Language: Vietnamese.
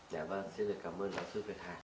dạ vâng xin được cảm ơn bác sĩ phật hạ